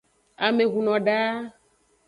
Ame hunno da.